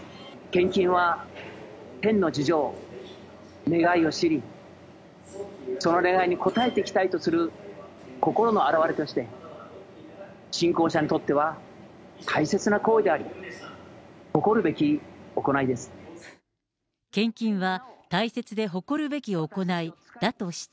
献金は天の事情、願いを知り、その願いに応えていきたいとする心の表れとして、信仰者にとっては大切な行為であり、誇るべき行いです。